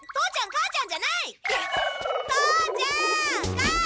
母ちゃん！